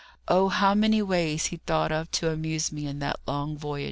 Oh, how many ways he thought of to amuse me in that long voyage!